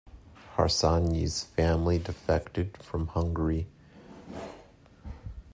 Harsanyi's family defected from Hungary.